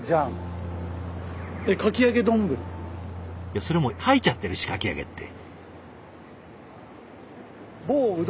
いやそれもう書いちゃってるし「かきあげ」って。